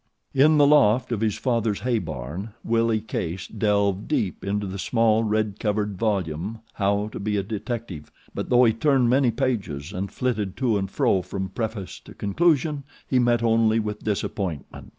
In the loft of his father's hay barn Willie Case delved deep into the small red covered volume, HOW TO BE A DETECTIVE; but though he turned many pages and flitted to and fro from preface to conclusion he met only with disappointment.